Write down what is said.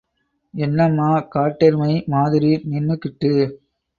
என்னம்மா காட்டெருமை மாதிரி நின்னுக்கிட்டு?